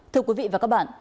thưa quý vị và các bạn